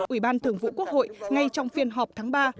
ủy ban thường vụ quốc hội ngay trong phiên họp tháng ba